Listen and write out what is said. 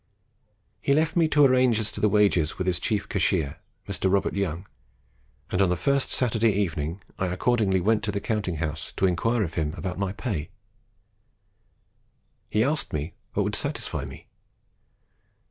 He left me to arrange as to wages with his chief cashier, Mr. Robert Young, and on the first Saturday evening I accordingly went to the counting house to enquire of him about my pay. He asked me what would satisfy me.